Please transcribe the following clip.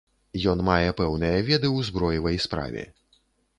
Ён мае пэўныя веды ў зброевай справе.